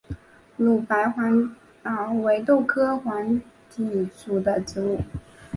乳白黄耆为豆科黄芪属的植物。